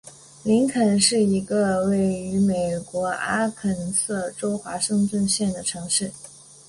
林肯是一个位于美国阿肯色州华盛顿县的城市。